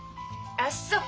あっそう。